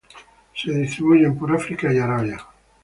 Se distribuyen por África y Arabia.